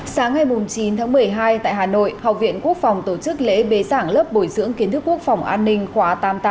sáng ngày chín tháng một mươi hai tại hà nội học viện quốc phòng tổ chức lễ bế giảng lớp bồi dưỡng kiến thức quốc phòng an ninh khóa tám